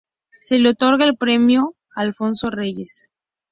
Se le otorga el premio "Alfonso Reyes".